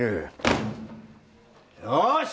よし！